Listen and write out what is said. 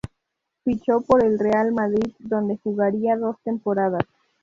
Fichó por el Real Madrid, donde jugaría dos temporadas.